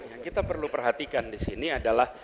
yang kita perlu perhatikan di sini adalah